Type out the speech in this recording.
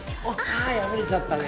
あ破れちゃったね。